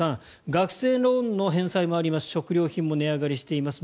学生ローンの返済もあるし食料品も値上がりしています。